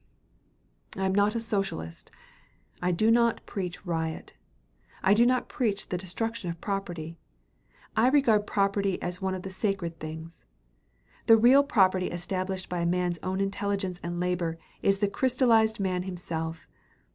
I am not a socialist. I do not preach riot. I do not preach the destruction of property. I regard property as one of the sacred things. The real property established by a man's own intelligence and labor is the crystallized man himself.